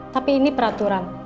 tapi ini peraturan